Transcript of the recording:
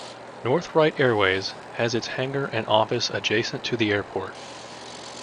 North-Wright Airways has its hangar and office adjacent to the airport.